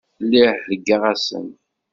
Lliɣ heggaɣ-asen.